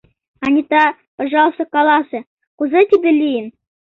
— Анита, пожалуйста, каласе, кузе тиде лийын?